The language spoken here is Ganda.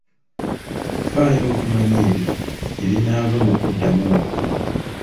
Faayo okumanya ebyo ebinaava mu kuddamu okwo.